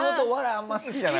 あんまり好きじゃない」。